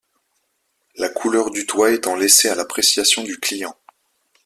La couleur du toit étant laissée à l'appréciation du client.